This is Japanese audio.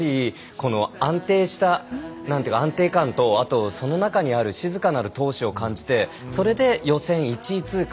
この安定した安定感と、その中にある静かなる闘志を感じてそれで予選１位通過。